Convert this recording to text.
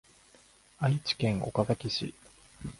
愛知県岡崎市